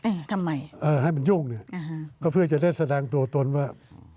ทำไมเออให้มันยุ่งเนี้ยอ่าฮะก็เพื่อจะได้แสดงตัวตนว่า